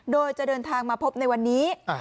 โดยจะเดินทางมาพบในวันนี้